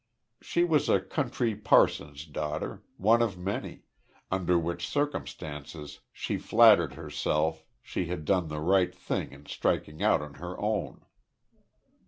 She was a country parson's daughter one of many under which circumstances she flattered herself she had done the right thing in striking out on her own.